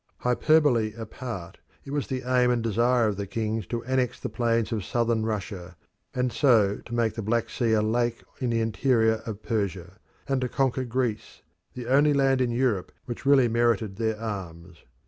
Hyperbole apart, it was the aim and desire of the kings to annex the plains of Southern Russia, and so to make the Black Sea a lake in the interior of Persia; and to conquer Greece, the only land in Europe which really merited their arms.